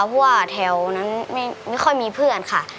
เพราะว่าแถวนั้นไม่ค่อยมีเพื่อนค่ะ